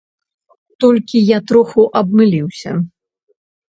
Толькі я троху абмыліўся.